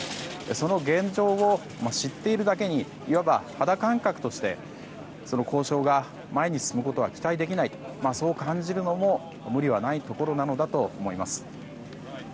その現状を知っているだけにいわば、肌感覚として交渉が前に進むことは期待できないそう感じるのも無理はないところなのだと思います。